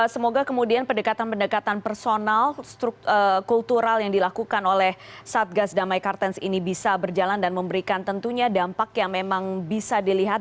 semoga kemudian pendekatan pendekatan personal kultural yang dilakukan oleh satgas damai kartens ini bisa berjalan dan memberikan tentunya dampak yang memang bisa dilihat